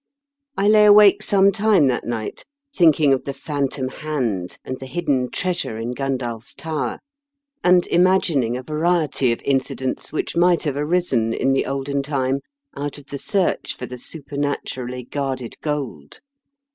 I lay awake some time that night, thinking of the phantom hand and the hidden treasure in Gundulph's Tower, and imagining a variety of incidents which might have arisen, in the olden time, out of the search for the supernaturally guarded gold.